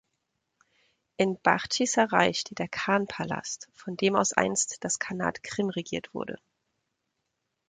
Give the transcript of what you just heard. In Bachtschyssaraj steht der Khan-Palast, von dem aus einst das Khanat Krim regiert wurde.